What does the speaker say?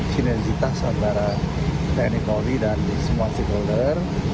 kinerjitas antara tni poli dan semua stakeholder